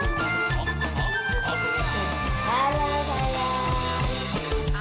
ini suara dia